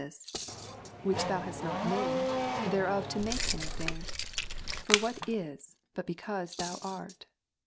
this, which Thou hadst not made, thereof to make any thing? Jii^ii For what is, but because Thou art